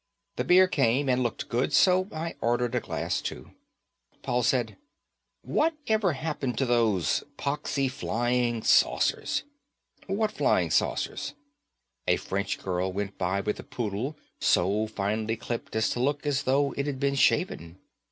The beer came and looked good, so I ordered a glass too. Paul said, "What ever happened to those poxy flying saucers?" "What flying saucers?" A French girl went by with a poodle so finely clipped as to look as though it'd been shaven.